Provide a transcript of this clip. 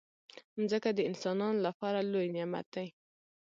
مځکه د انسانانو لپاره لوی نعمت دی.